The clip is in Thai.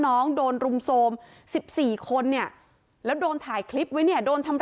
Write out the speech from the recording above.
น้องโดนรุมโทรม๑๔คนเนี่ยแล้วโดนถ่ายคลิปไว้เนี่ยโดนทำร้าย